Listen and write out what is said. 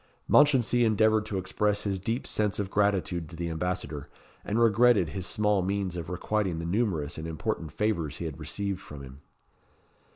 Mounchensey endeavoured to express his deep sense of gratitude to the ambassador, and regretted his small means of requiting the numerous and important favours he had received from him.